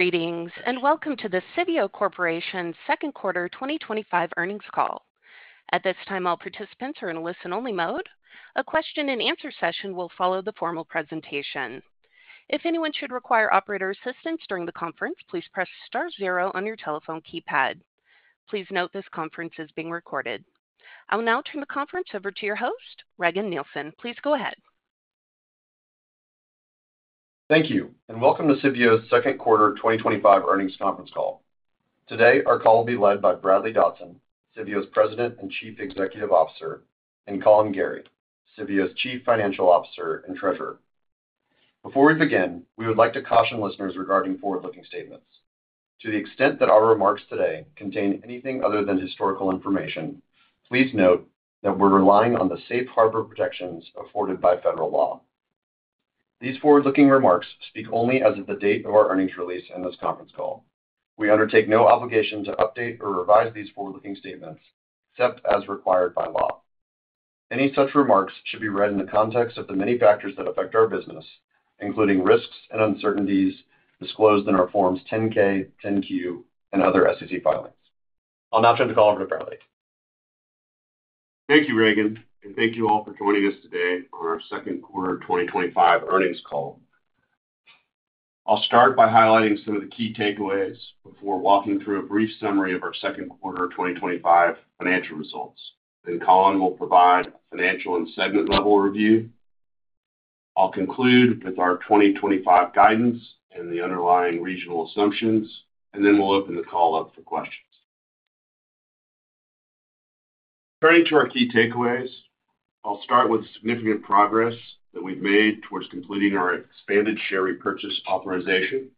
Greetings, and welcome to the Civeo Corporation's Second Quarter 2025 Earnings Call. At this time, all participants are in listen-only mode. A question and answer session will follow the formal presentation. If anyone should require operator assistance during the conference, please press star zero on your telephone keypad. Please note this conference is being recorded. I will now turn the conference over to your host, Regan Nielsen. Please go ahead. Thank you, and welcome to Civeo's second quarter 2025 earnings conference call. Today, our call will be led by Bradley Dodson, Civeo's President and Chief Executive Officer, and Collin Gerry, Civeo's Chief Financial Officer and Treasurer. Before we begin, we would like to caution listeners regarding forward-looking statements. To the extent that our remarks today contain anything other than historical information, please note that we're relying on the safe harbor protections afforded by federal law. These forward-looking remarks speak only as of the date of our earnings release and this conference call. We undertake no obligation to update or revise these forward-looking statements except as required by law. Any such remarks should be read in the context of the many factors that affect our business, including risks and uncertainties disclosed in our forms 10-K, 10-Q, and other SEC filings. I'll now turn the call over to Bradley. Thank you, Regan, and thank you all for joining us today on our Second Quarter 2025 Earnings Call. I'll start by highlighting some of the key takeaways before walking through a brief summary of our second quarter 2025 financial results. Collin will provide a financial and segment level review. I'll conclude with our 2025 guidance and the underlying reasonable assumptions, and then we'll open the call up for questions. Turning to our key takeaways, I'll start with significant progress that we've made towards completing our expanded share repurchase authorization.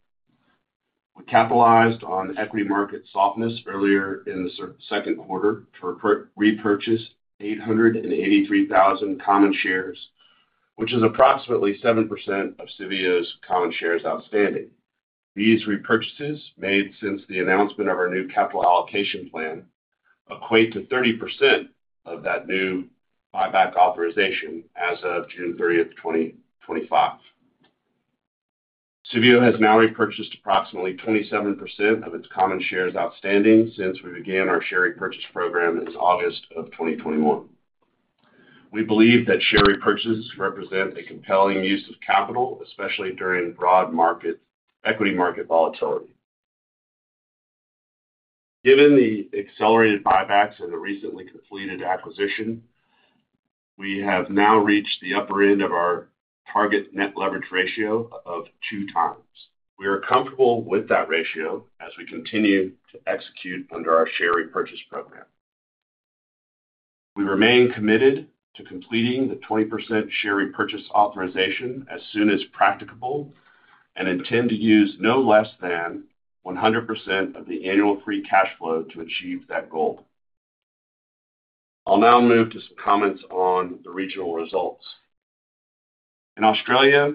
We capitalized on equity market softness earlier in the second quarter to repurchase 883,000 common shares, which is approximately 7% of Civeo's common shares outstanding. These repurchases made since the announcement of our new capital allocation plan equate to 30% of that new buyback authorization as of June 30, 2025. Civeo has now repurchased approximately 27% of its common shares outstanding since we began our share repurchase program in August of 2021. We believe that share repurchases represent a compelling use of capital, especially during broad market equity market volatility. Given the accelerated buybacks of a recently completed acquisition, we have now reached the upper end of our target net leverage ratio of two times. We are comfortable with that ratio as we continue to execute under our share repurchase program. We remain committed to completing the 20% share repurchase authorization as soon as practicable and intend to use no less than 100% of the annual free cash flow to achieve that goal. I'll now move to some comments on the regional results. In Australia,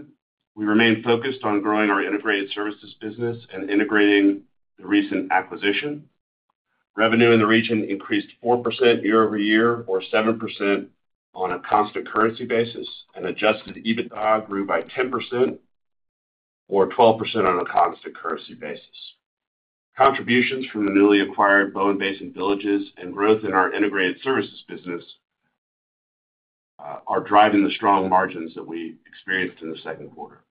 we remain focused on growing our integrated services business and integrating the recent acquisition. Revenue in the region increased 4% year over year, or 7% on a constant currency basis, and adjusted EBITDA grew by 10%, or 12% on a constant currency basis. Contributions from the newly acquired Bowen Basin villages and growth in our integrated services business are driving the strong margins that we experienced in the second quarter.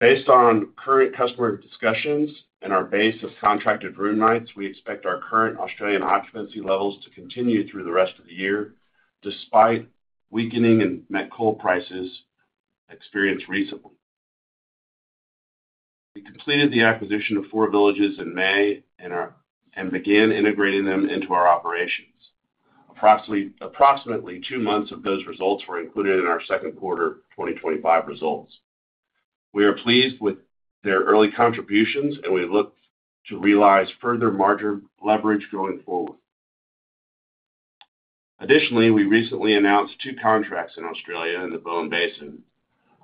Based on current customer discussions and our base of contracted room nights, we expect our current Australian occupancy levels to continue through the rest of the year despite weakening in net coal prices experienced recently. We completed the acquisition of four villages in May and began integrating them into our operations. Approximately two months of those results were included in our second quarter 2025 results. We are pleased with their early contributions, and we look to realize further larger leverage going forward. Additionally, we recently announced two contracts in Australia and the Bowen Basin: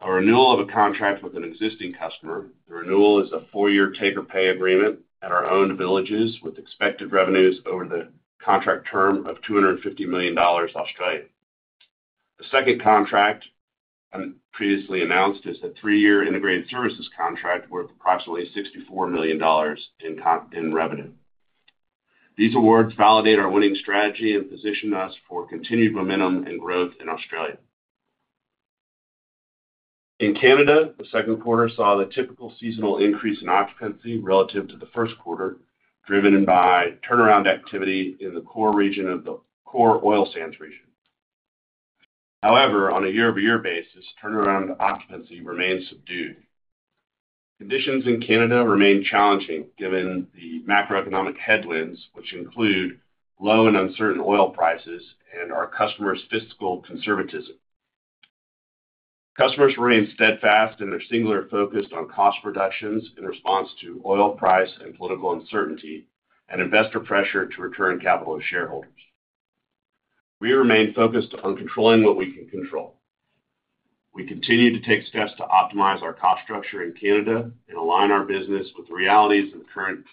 a renewal of a contract with an existing customer. The renewal is a four-year taker-pay agreement at our own villages with expected revenues over the contract term of $250 million. The second contract previously announced is a three-year integrated services contract worth approximately $64 million in revenue. These awards validate our winning strategy and position us for continued momentum and growth in Australia. In Canada, the second quarter saw the typical seasonal increase in occupancy relative to the first quarter, driven by turnaround activity in the core region of the core oil sands region. However, on a year-over-year basis, turnaround occupancy remains subdued. Conditions in Canada remain challenging given the macroeconomic headwinds, which include low and uncertain oil prices and our customers' fiscal conservatism. Customers remain steadfast in their singular focus on cost reductions in response to oil price and political uncertainty and investor pressure to return capital to shareholders. We remain focused on controlling what we can control. We continue to take steps to optimize our cost structure in Canada and align our business with the realities of the current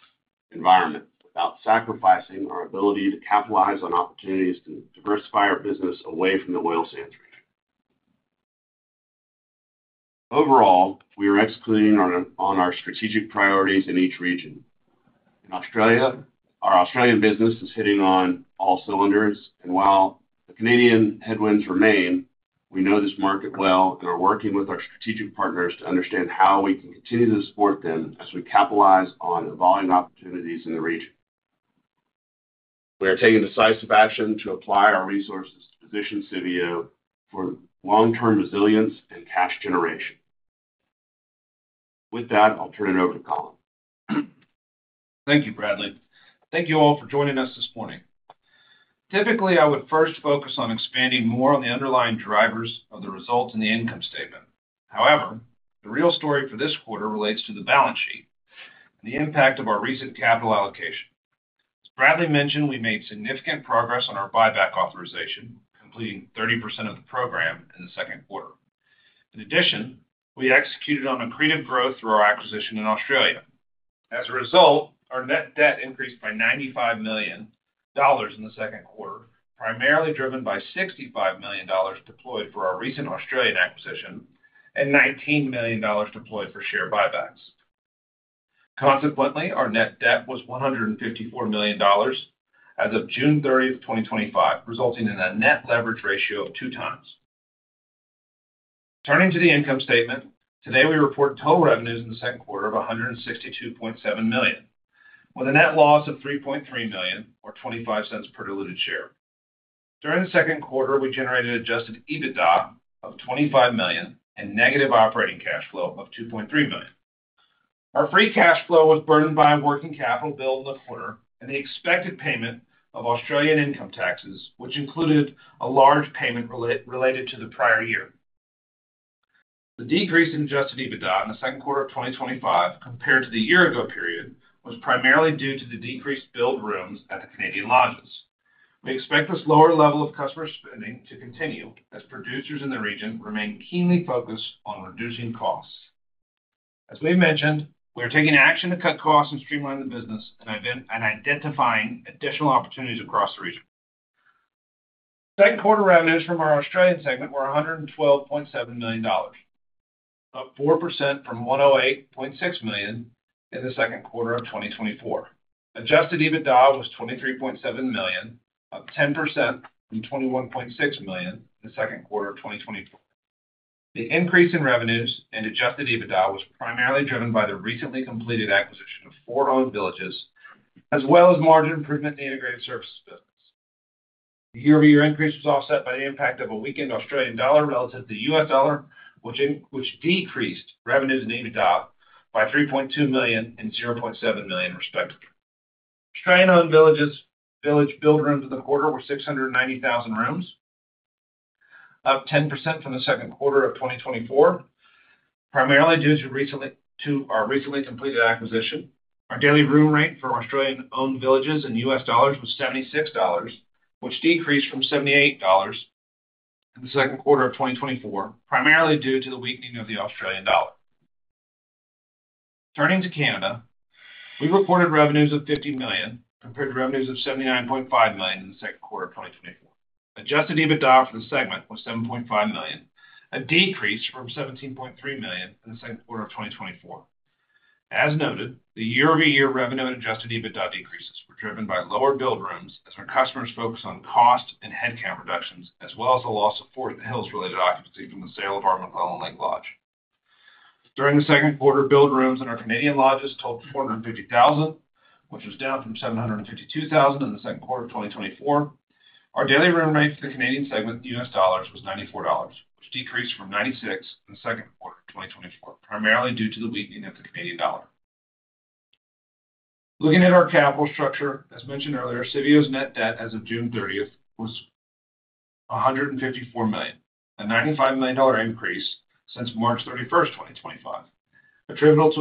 environment without sacrificing our ability to capitalize on opportunities to diversify our business away from the oil sands region. Overall, we are executing on our strategic priorities in each region. In Australia, our Australian business is hitting on all cylinders, and while the Canadian headwinds remain, we know this market well. We're working with our strategic partners to understand how we can continue to support them as we capitalize on volume opportunities in the region. We are taking decisive action to apply our resources to position Civeo for long-term resilience and cash generation. With that, I'll turn it over to Collin. Thank you, Bradley. Thank you all for joining us this morning. Typically, I would first focus on expanding more on the underlying drivers of the result in the income statement. However, the real story for this quarter relates to the balance sheet and the impact of our recent capital allocation. Bradley mentioned we made significant progress on our share repurchase authorization, completing 30% of the program in the second quarter. In addition, we executed on accretive growth through our acquisition in Australia. As a result, our net debt increased by $95 million in the second quarter, primarily driven by $65 million deployed for our recent Australian acquisition and $19 million deployed for share buybacks. Consequently, our net debt was $154 million as of June 30, 2025, resulting in a net leverage ratio of 2x. Turning to the income statement, today we report total revenues in the second quarter of $162.7 million, with a net loss of $3.3 million or $0.25 per diluted share. During the second quarter, we generated adjusted EBITDA of $25 million and negative operating cash flow of $2.3 million. Our free cash flow was burdened by a working capital bill in the quarter and the expected payment of Australian income taxes, which included a large payment related to the prior year. The decrease in adjusted EBITDA in the second quarter of 2025 compared to the year-ago period was primarily due to the decreased build rooms at the Canadian lodges. We expect this lower level of customer spending to continue as producers in the region remain keenly focused on reducing costs. As we mentioned, we're taking action to cut costs and streamline the business and identifying additional opportunities across the region. Second quarter revenues from our Australian segment were $112.7 million, up 4% from $108.6 million in the second quarter of 2024. Adjusted EBITDA was $23.7 million, up 10% from $21.6 million in the second quarter of 2024. The increase in revenues and adjusted EBITDA was primarily driven by the recently completed acquisition of four owned villages, as well as margin improvement in the integrated services business. The year-over-year increase was offset by the impact of a weakened Australian dollar relative to the U.S. dollar, which decreased revenues and EBITDA by $3.2 million and $0.7 million, respectively. Australian-owned village build rooms in the quarter were 690,000 rooms, up 10% from the second quarter of 2024, primarily due to our recently completed acquisition. Our daily room rate for Australian-owned villages in U.S. dollars was $76, which decreased from $78 in the second quarter of 2024, primarily due to the weakening of the Australian dollar. Turning to Canada, we reported revenues of $50 million compared to revenues of $79.5 million in the second quarter of 2024. Adjusted EBITDA for the segment was $7.5 million, a decrease from $17.3 million in the second quarter of 2024. As noted, the year-over-year revenue and adjusted EBITDA decreases were driven by lower build rooms as our customers focus on cost and headcount reductions, as well as the loss of Fort Hills-related occupancy from the sale of McClelland Lake Lodge. During the second quarter, build rooms in our Canadian lodges totaled 450,000, which was down from 752,000 in the second quarter of 2024. Our daily room rate for the Canadian segment in U.S. dollars was $94, which decreased from $96 in the second quarter of 2024, primarily due to the weakening of the Canadian dollar. Looking at our capital structure, as mentioned earlier, Civeo's net debt as of June 30th was $154 million, a $95 million increase since March 31st, 2025. Attributable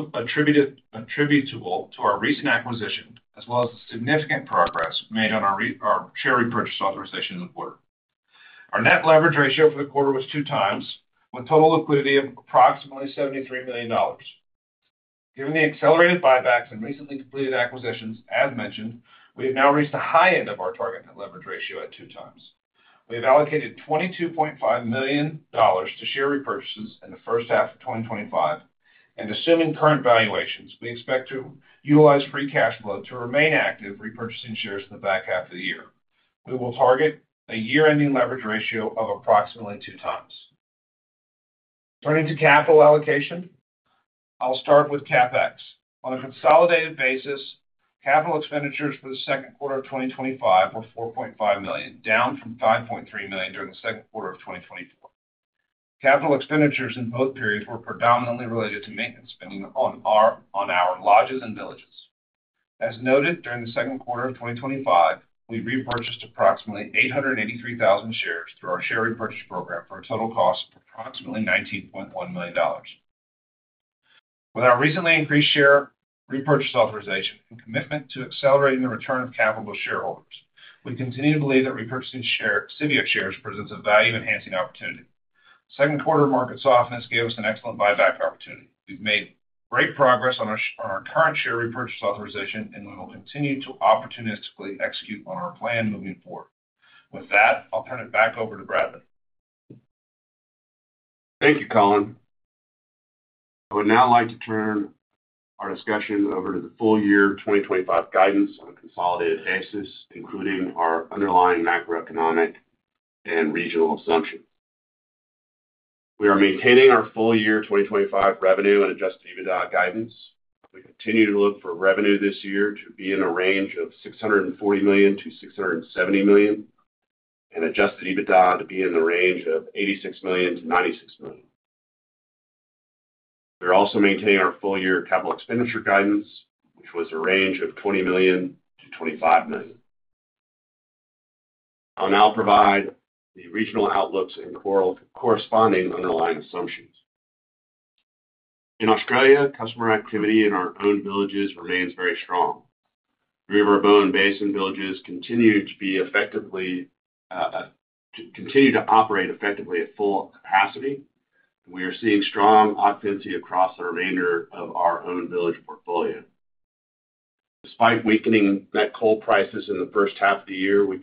to our recent acquisition, as well as the significant progress made on our share repurchase authorization in the quarter, our net leverage ratio for the quarter was two times, with total liquidity of approximately $73 million. Given the accelerated buybacks and recently completed acquisitions, as mentioned, we have now reached the high end of our target net leverage ratio at two times. We have allocated $22.5 million to share repurchases in the first half of 2025, and assuming current valuations, we expect to utilize free cash flow to remain active repurchasing shares for the back half of the year. We will target a year-ending leverage ratio of approximately two times. Turning to capital allocation, I'll start with CapEx. On a consolidated basis, capital expenditures for the second quarter of 2025 were $4.5 million, down from $5.3 million during the second quarter of 2024. Capital expenditures in both periods were predominantly related to maintenance spending on our lodges and villages. As noted, during the second quarter of 2025, we repurchased approximately 883,000 shares through our share repurchase program for a total cost of approximately $19.1 million. With our recently increased share repurchase authorization and commitment to accelerating the return of capital to shareholders, we continue to believe that repurchasing Civeo shares presents a value-enhancing opportunity. Second quarter market softness gave us an excellent buyback opportunity. We've made great progress on our current share repurchase authorization, and we will continue to opportunistically execute on our plan moving forward. With that, I'll turn it back over to Bradley. Thank you, Collin. I would now like to turn our discussion over to the full year 2025 guidance with consolidated axis, including our underlying macroeconomic and regional assumptions. We are maintaining our full year 2025 revenue and adjusted EBITDA guidance. We continue to look for revenue this year to be in the range of $640 million-$670 million and adjusted EBITDA to be in the range of $86 million-$96 million. We are also maintaining our full year capital expenditure guidance, which was a range of $20 million-$25 million. I'll now provide the regional outlooks and corresponding underlying assumptions. In Australia, customer activity in our own villages remains very strong. Three of our Bowen Basin villages continue to operate effectively at full capacity. We are seeing strong occupancy across the remainder of our own village portfolio. Despite weakening net coal prices in the first half of the year, we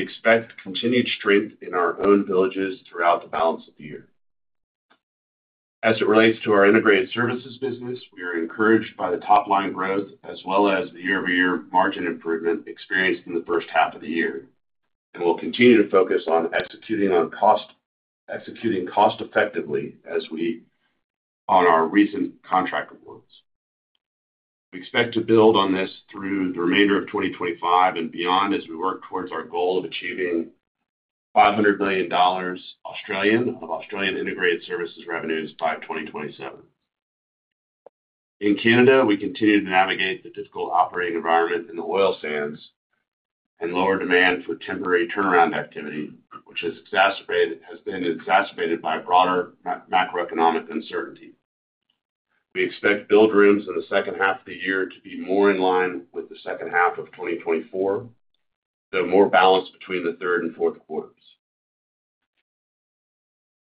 expect continued strength in our own villages throughout the balance of the year. As it relates to our integrated services business, we are encouraged by the top-line growth as well as the year-over-year margin improvement experienced in the first half of the year. We will continue to focus on executing cost-effectively as we on our recent contract awards. We expect to build on this through the remainder of 2025 and beyond as we work towards our goal of achieving $500 million Australian of Australian integrated services revenues by 2027. In Canada, we continue to navigate the difficult operating environment in the oil sands and lower demand for temporary turnaround activity, which has been exacerbated by broader macroeconomic uncertainty. We expect build rooms in the second half of the year to be more in line with the second half of 2024, though more balanced between the third and fourth quarters.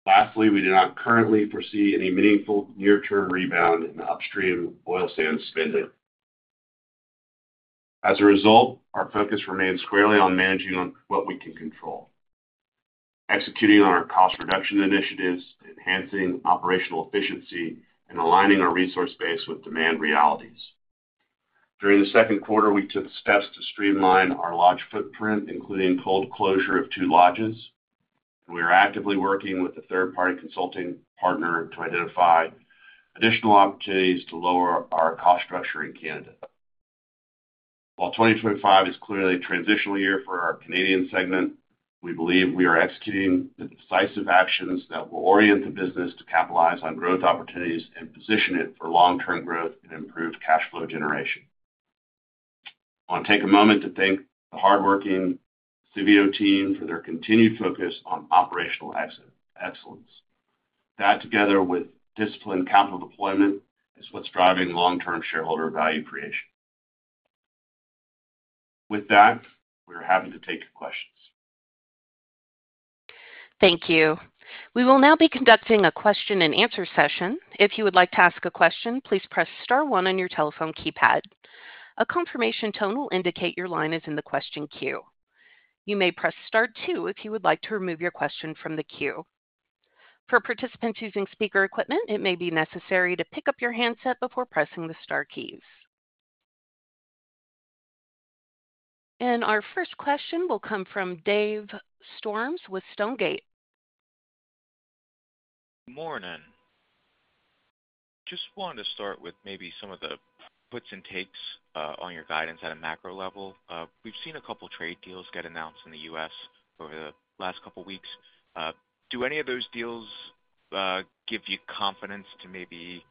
Lastly, we do not currently foresee any meaningful near-term rebound in the upstream oil sand spending. As a result, our focus remains squarely on managing what we can control, executing on our cost reduction initiatives, enhancing operational efficiency, and aligning our resource base with demand realities. During the second quarter, we took steps to streamline our lodge footprint, including cold closure of two lodges. We are actively working with a third-party consulting partner to identify additional opportunities to lower our cost structure in Canada. While 2025 is clearly a transitional year for our Canadian segment, we believe we are executing the decisive actions that will orient the business to capitalize on growth opportunities and position it for long-term growth and improved cash flow generation. I want to take a moment to thank the hardworking Civeo team for their continued focus on operational excellence. That, together with disciplined capital deployment, is what's driving long-term shareholder value creation. With that, we're happy to take your questions. Thank you. We will now be conducting a question and answer session. If you would like to ask a question, please press star one on your telephone keypad. A confirmation tone will indicate your line is in the question queue. You may press star two if you would like to remove your question from the queue. For participants using speaker equipment, it may be necessary to pick up your handset before pressing the star keys. Our first question will come from Dave Storms with Stonegate. Morning. Just wanted to start with maybe some of the puts and takes on your guidance at a macro level. We've seen a couple of trade deals get announced in the U.S. over the last couple of weeks. Do any of those deals give you confidence to maybe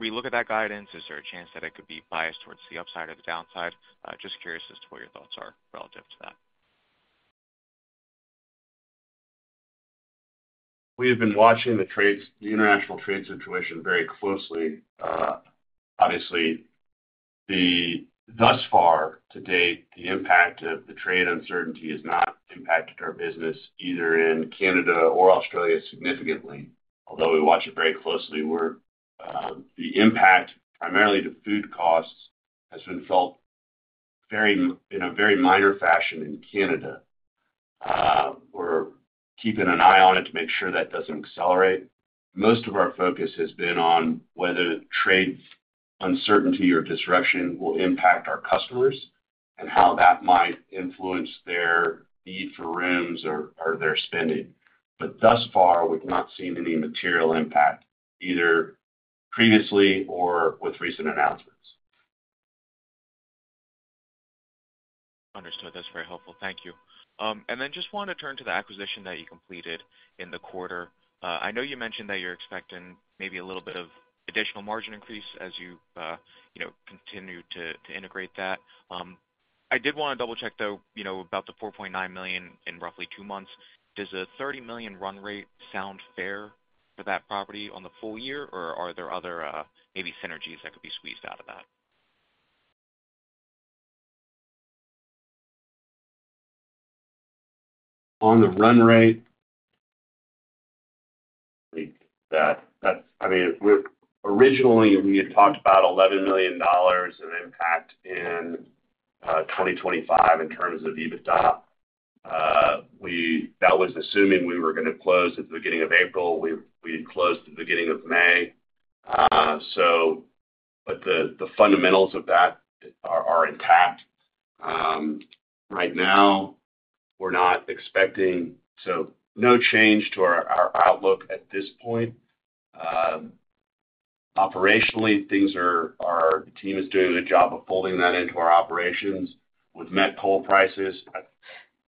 relook at that guidance? Is there a chance that it could be biased towards the upside or the downside? Just curious as to what your thoughts are relative to that. We have been watching the international trade situation very closely. Obviously, thus far to date, the impact of the trade uncertainty has not impacted our business either in Canada or Australia significantly, although we watch it very closely. The impact, primarily to food costs, has been felt in a very minor fashion in Canada. We're keeping an eye on it to make sure that doesn't accelerate. Most of our focus has been on whether trade uncertainty or disruption will impact our customers and how that might influence their need for rooms or their spending. Thus far, we've not seen any material impact either previously or with recent announcements. Understood. That's very helpful. Thank you. I just wanted to turn to the acquisition that you completed in the quarter. I know you mentioned that you're expecting maybe a little bit of additional margin increase as you continue to integrate that. I did want to double-check about the $4.9 million in roughly two months. Does a $30 million run rate sound fair for that property on the full year, or are there other maybe synergies that could be squeezed out of that? On the run rate, I mean, originally, we had talked about $11 million of impact in 2025 in terms of EBITDA. That was assuming we were going to close at the beginning of April. We closed at the beginning of May. The fundamentals of that are intact. Right now, we're not expecting any change to our outlook at this point. Operationally, our team is doing a good job of folding that into our operations. With net coal prices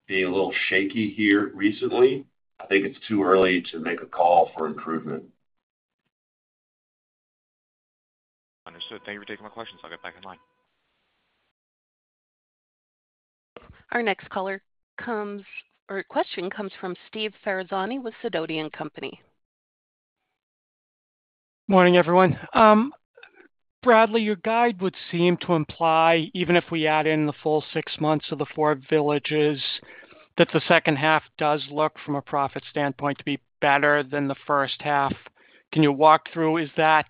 being a little shaky here recently, I think it's too early to make a call for improvement. Understood. Thank you for taking my questions. I'll get back online. Our next question comes from Steve Ferazani with Sidoti & Company. Morning, everyone. Bradley, your guide would seem to imply, even if we add in the full six months of the four villages, that the second half does look, from a profit standpoint, to be better than the first half. Can you walk through, is that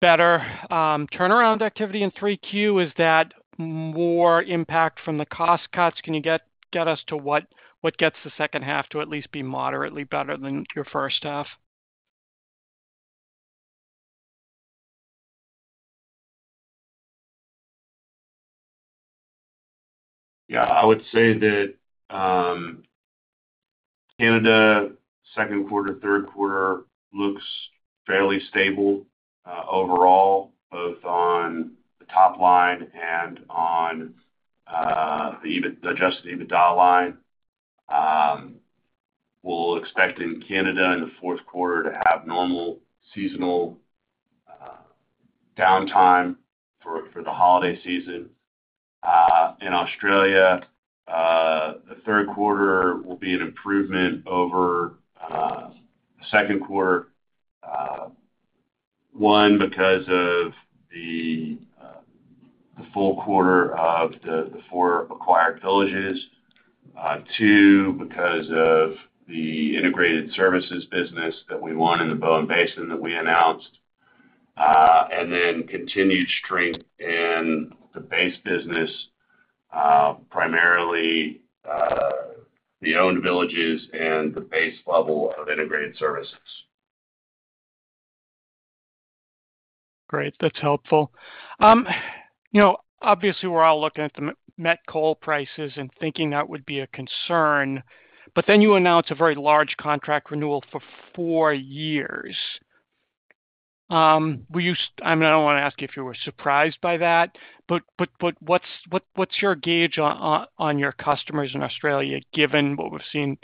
better turnaround activity in 3Q? Is that more impact from the cost cuts? Can you get us to what gets the second half to at least be moderately better than your first half? Yeah, I would say that Canada, second quarter, third quarter looks fairly stable overall, both on the top line and on the adjusted EBITDA line. We're expecting Canada in the fourth quarter to have normal seasonal downtime for the holiday season. In Australia, the third quarter will be an improvement over the second quarter. One, because of the full quarter of the four acquired villages. Two, because of the integrated services business that we won in the Bowen Basin that we announced. Then continued strength in the base business, primarily the owned villages and the base level of integrated services. Great. That's helpful. Obviously, we're all looking at the net coal prices and thinking that would be a concern. Then you announced a very large contract renewal for four years. I mean, I don't want to ask you if you were surprised by that. What's your gauge on your customers in Australia, given what we've seen,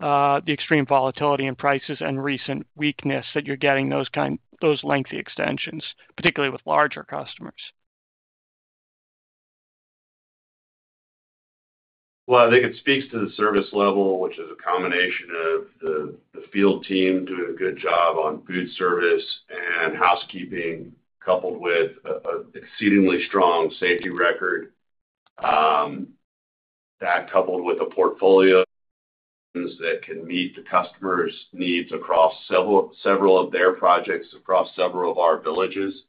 the extreme volatility in prices and recent weakness that you're getting those lengthy extensions, particularly with larger customers? I think it speaks to the service level, which is a combination of the field team doing a good job on food services and housekeeping, coupled with an exceedingly strong safety record, that coupled with the portfolio that can meet the customer's needs across several of their projects, across several of our villages.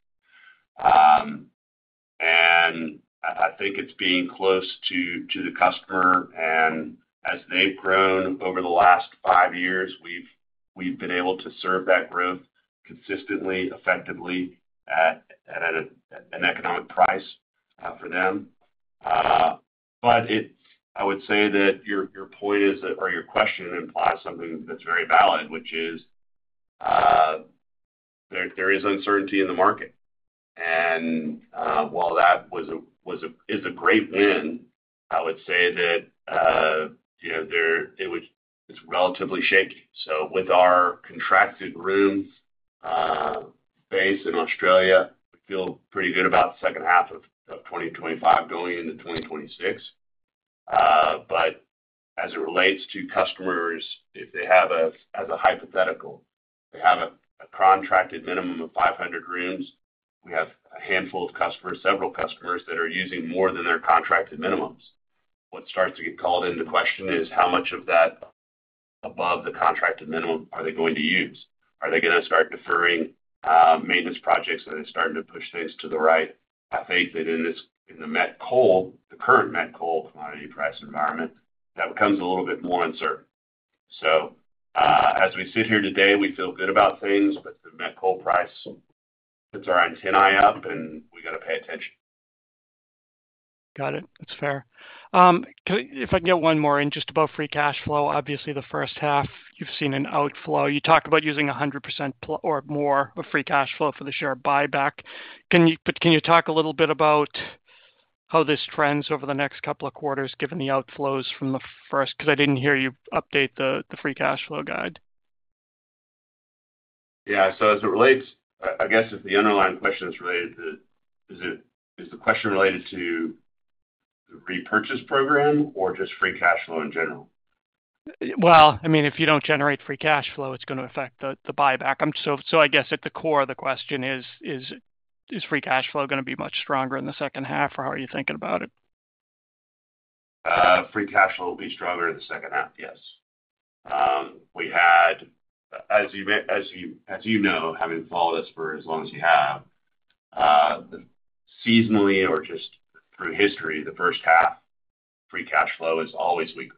I think it's being close to the customer. As they've grown over the last five years, we've been able to serve that growth consistently, effectively, at an economic price for them. I would say that your point is that, or your question implies something that's very valid, which is there is uncertainty in the market. While that was a great win, I would say that it was relatively shaky. With our contracted room base in Australia, I feel pretty good about the second half of 2025 going into 2026. As it relates to customers, if they have a, as a hypothetical, they have a contracted minimum of 500 rooms. We have a handful of customers, several customers that are using more than their contracted minimums. What starts to get called into question is how much of that above the contracted minimum are they going to use? Are they going to start deferring maintenance projects that are starting to push things to the right? I have faith that in the net coal, the current net coal commodity price environment, that becomes a little bit more uncertain. As we sit here today, we feel good about things, but the net coal price puts our antenna up, and we got to pay attention. Got it. That's fair. If I can get one more in, just about free cash flow. Obviously, the first half, you've seen an outflow. You talk about using 100% or more of free cash flow for the share buyback. Can you talk a little bit about how this trends over the next couple of quarters, given the outflows from the first, because I didn't hear you update the free cash flow guide? As it relates, I guess if the underlying question is related to, is the question related to the repurchase program or just free cash flow in general? If you don't generate free cash flow, it's going to affect the buyback. I guess at the core, the question is, is free cash flow going to be much stronger in the second half, or how are you thinking about it? Free cash flow will be stronger in the second half, yes. As you know, having followed us for as long as you have, seasonally or just through history, the first half, free cash flow has always weakened.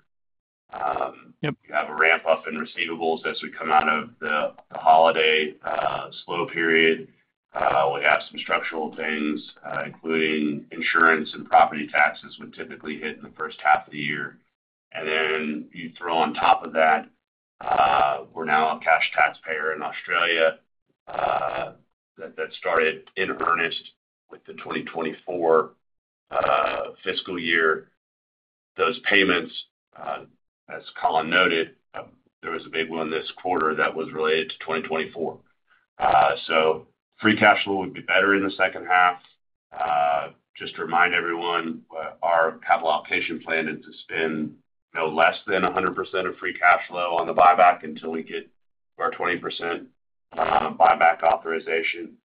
You have a ramp-up in receivables as we come out of the holiday slow period. We have some structural things, including insurance and property taxes, which typically hit in the first half of the year. You throw on top of that, we're now a cash taxpayer in Australia that started in earnest with the 2024 fiscal year. Those payments, as Collin noted, there was a big one this quarter that was related to 2024. Free cash flow would be better in the second half. Just to remind everyone, our capital allocation plan is to spend no less than 100% of free cash flow on the buyback until we get to our 20% buyback authorization.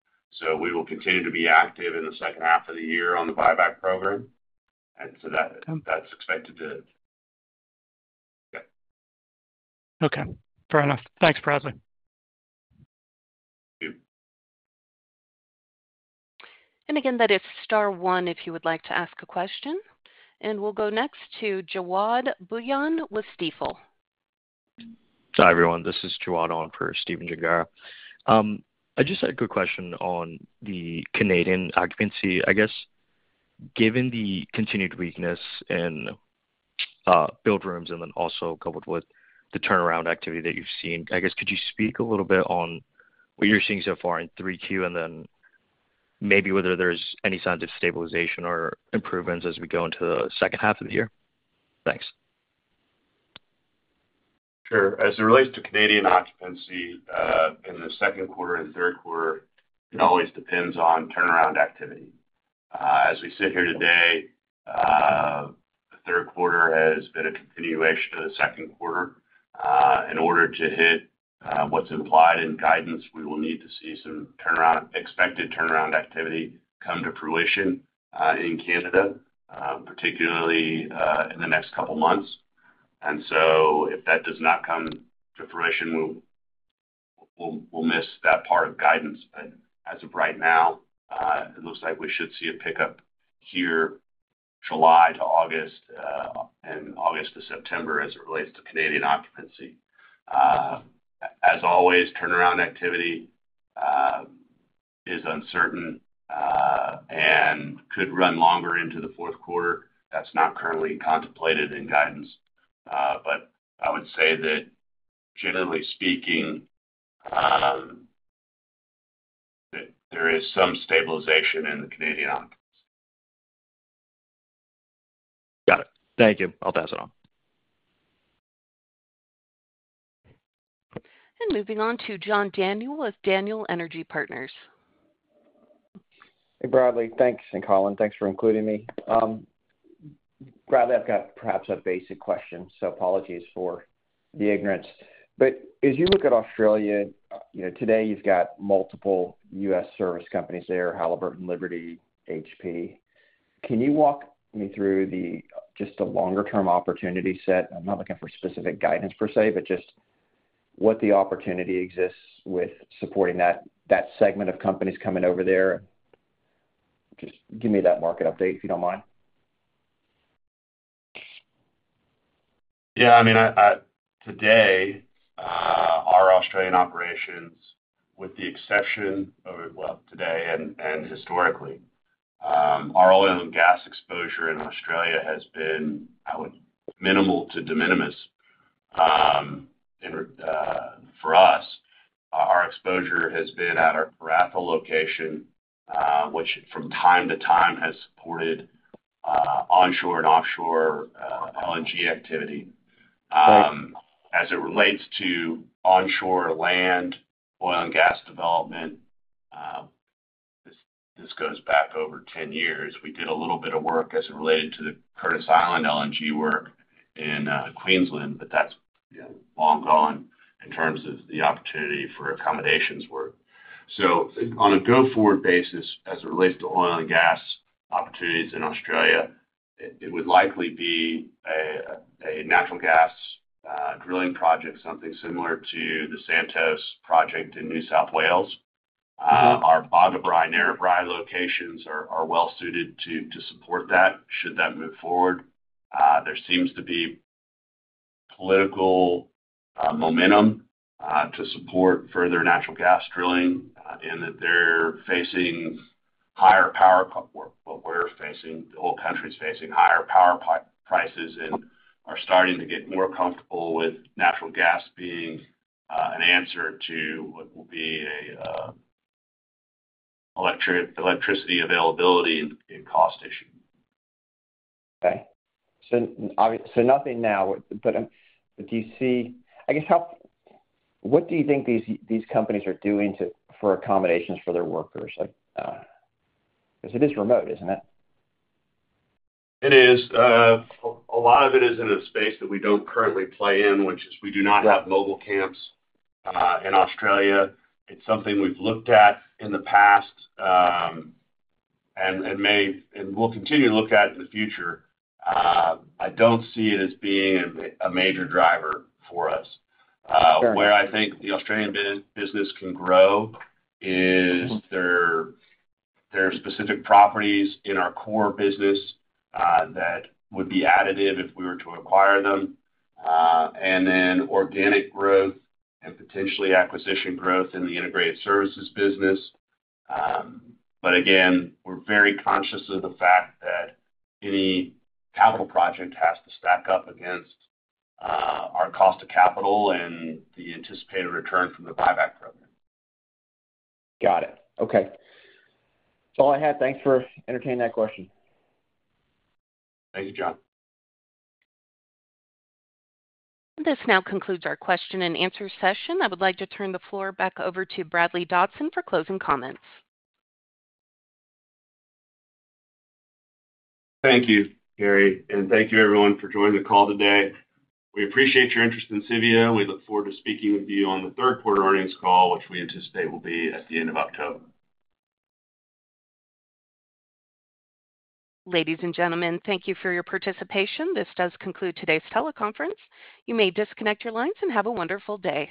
We will continue to be active in the second half of the year on the buyback program. That's expected to. Okay. Fair enough. Thanks, Bradley. That is star one if you would like to ask a question. We'll go next to Jawad Bhuiyan with Stifel. Sorry, everyone. This is Jawad on for Stephen. I just had a quick question on the Canadian occupancy. I guess, given the continued weakness in billed rooms and then also coupled with the turnaround activity that you've seen, I guess, could you speak a little bit on what you're seeing so far in 3Q and then maybe whether there's any signs of stabilization or improvements as we go into the second half of the year? Thanks. Sure. As it relates to Canadian occupancy in the second quarter and the third quarter, it always depends on turnaround activity. As we sit here today, the third quarter has been a continuation of the second quarter. In order to hit what's implied in guidance, we will need to see some expected turnaround activity come to fruition in Canada, particularly in the next couple of months. If that does not come to fruition, we'll miss that part of guidance. As of right now, it looks like we should see a pickup here in July to August and August to September as it relates to Canadian occupancy. As always, turnaround activity is uncertain and could run longer into the fourth quarter. That's not currently contemplated in guidance. I would say that, generally speaking, there is some stabilization in the Canadian. Got it. Thank you. I'll pass it on. Moving on to John Daniel with Daniel Energy Partners. Hey, Bradley. Thanks. And Collin, thanks for including me. Bradley, I've got perhaps a basic question, so apologies for the ignorance. As you look at Australia, you know today you've got multiple U.S. service companies there, Halliburton, Liberty, HP. Can you walk me through just the longer-term opportunity set? I'm not looking for specific guidance per se, just what the opportunity exists with supporting that segment of companies coming over there. Give me that market update if you don't mind. Yeah. I mean, today, our Australian operations, with the exception of, today and historically, our oil and gas exposure in Australia has been, I would, minimal to de minimis. For us, our exposure has been at a Raffle location, which from time to time has supported onshore and offshore LNG activity. As it relates to onshore land, oil and gas development, this goes back over 10 years. We did a little bit of work as it related to the Curtis Island LNG work in Queensland, but that's long gone in terms of the opportunity for accommodations work. I think on a go-forward basis, as it relates to oil and gas opportunities in Australia, it would likely be a natural gas drilling project, something similar to the Santos project in New South Wales. Our Boggabri and Narrabri locations are well suited to support that should that move forward. There seems to be political momentum to support further natural gas drilling in that they're facing higher power cuts. What we're facing, the whole country is facing higher power prices and are starting to get more comfortable with natural gas being an answer to what will be an electricity availability and cost issue. Okay. Nothing now, but do you see, I guess, how, what do you think these companies are doing for accommodations for their workers? Because it is remote, isn't it? It is. A lot of it is in a space that we don't currently play in, which is we do not have mobile camps in Australia. It's something we've looked at in the past and may and will continue to look at in the future. I don't see it as being a major driver for us. Where I think the Australian business can grow is there are specific properties in our core business that would be additive if we were to acquire them. There is also organic growth and potentially acquisition growth in the integrated services business. We are very conscious of the fact that any capital project has to stack up against our cost of capital and the anticipated return from the buyback program. Got it. Okay, that's all I had. Thanks for entertaining that question. Thank you, John. This now concludes our question and answer session. I would like to turn the floor back over to Bradley Dodson for closing comments. Thank you, Gary. Thank you, everyone, for joining the call today. We appreciate your interest in Civeo. We look forward to speaking with you on the third quarter earnings call, which we anticipate will be at the end of October. Ladies and gentlemen, thank you for your participation. This does conclude today's teleconference. You may disconnect your lines and have a wonderful day.